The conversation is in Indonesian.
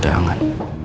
udah sayang kan